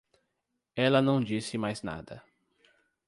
Ela não disse mais nada.